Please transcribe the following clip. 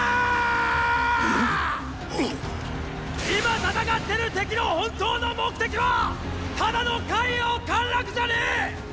今戦ってる敵の本当の目的はただの咸陽陥落じゃねェ！！